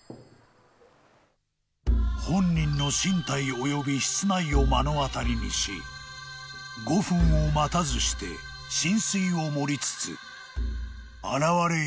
［「本人の身体及び室内を目の当たりにし５分を待たずして神水を盛りつつあらわれ